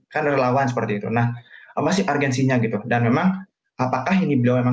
kamu jawab betul apa enggak ya